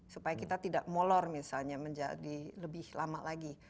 supaya kita tidak molor misalnya menjadi lebih lama lagi